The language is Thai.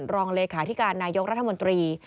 รองเลขาธิการนายกรัฐมนตรี